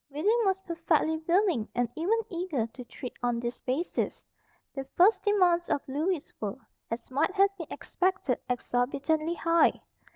William was perfectly willing and even eager to treat on this basis. The first demands of Lewis were, as might have been expected, exorbitantly high.